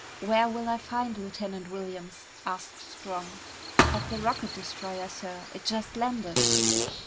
"Where will I find Lieutenant Williams?" asked Strong. "At the rocket destroyer, sir. It just landed."